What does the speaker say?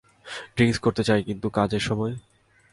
Drink করতে চাই, কিন্তু কাজের সময়?